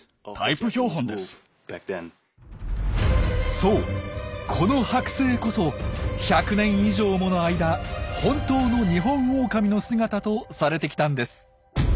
そうこのはく製こそ１００年以上もの間本当のニホンオオカミの姿とされてきたんです。